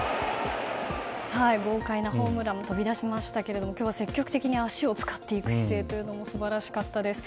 豪快なホームランも飛び出しましたが今日は積極的に足を使っていく姿勢も素晴らしかったです。